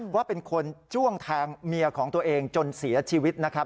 ว่าเป็นคนจ้วงแทงเมียของตัวเองจนเสียชีวิตนะครับ